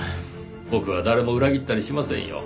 僕は誰も裏切ったりしませんよ。